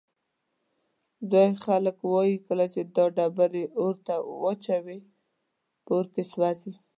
ځایی خلک وایي کله چې دا ډبرې اور ته واچوې په اور کې سوځي.